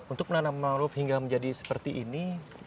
untuk menanam mangrove hingga menjadi seperti ini